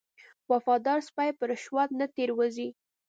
وفادار سپی په رشوت نه تیر وځي.